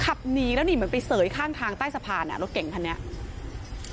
ขับหนีแล้วนี่เหมือนไปเสยข้างทางใต้สะพานอ่ะรถเก่งคันนี้